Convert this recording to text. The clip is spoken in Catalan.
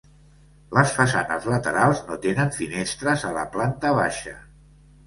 Les façanes laterals no tenen finestres a la planta baixa.